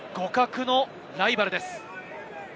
互角のライバルです。